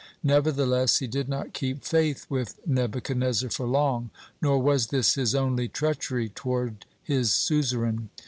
(2) Nevertheless he did not keep faith with Nebuchadnezzar for long. Nor was this his only treachery toward his suzerain.